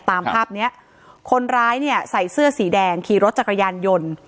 ตามภาพเนี้ยคนร้ายเนี่ยใส่เสื้อสีแดงขี่รถจักรยานยนต์